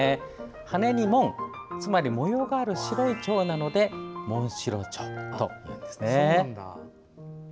羽に紋、つまり模様がある白いチョウなのでモンシロチョウというんですね。